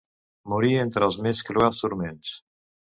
Morí entre els més cruels turments.